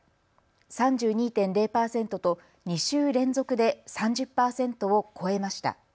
３２．０％と２週連続で３０％を超えました。